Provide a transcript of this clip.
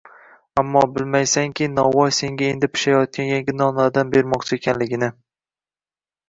Ammo bilmaysanki Novvoy senga endi pishayotgan yangi nonlardan bermoqchi ekanligini